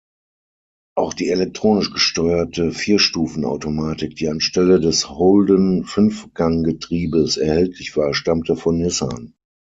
Auch die elektronisch gesteuerte Vierstufenautomatik, die anstelle des Holden-Fünfganggetriebes erhältlich war, stammte von Nissan.